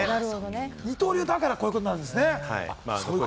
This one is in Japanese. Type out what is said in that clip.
二刀流だからこういうことになるんですね。